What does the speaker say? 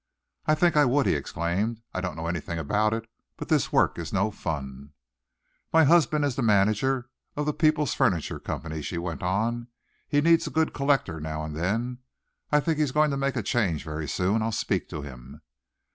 "I think I would," he exclaimed. "I don't know anything about it, but this work is no fun." "My husband is the manager of The People's Furniture Company," she went on. "He needs a good collector now and then. I think he's going to make a change very soon. I'll speak to him."